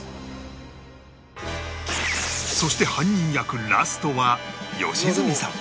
そして犯人役ラストは良純さん